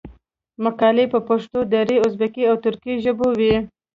مقالي په پښتو، دري، ازبکي او ترکي ژبو وې.